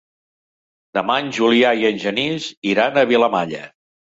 Demà en Julià i en Genís iran a Vilamalla.